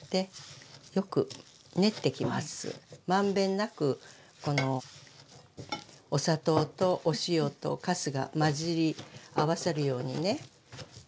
満遍なくこのお砂糖とお塩とかすが混じり合わさるようにね。